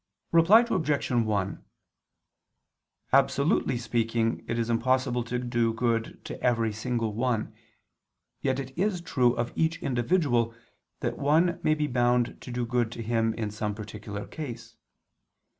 Reply Obj. 1: Absolutely speaking it is impossible to do good to every single one: yet it is true of each individual that one may be bound to do good to him in some particular case.